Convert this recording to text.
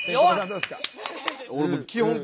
どうですか？